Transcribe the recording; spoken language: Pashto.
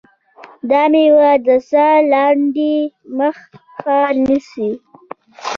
دا مېوه د ساه لنډۍ مخه نیسي.